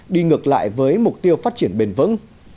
đi ngược lại với mục tiêu phát triển bền vững